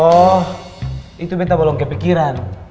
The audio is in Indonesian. oh itu betta belum kepikiran